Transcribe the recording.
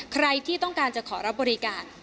ใครที่ต้องการจะขอรับบริการ